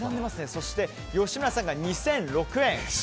そして、吉村さんが２００６円。